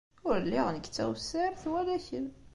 Ur lliɣ nekk d tawessart wala kemm.